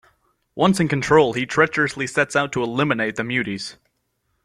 Once in control, he treacherously sets out to eliminate the muties.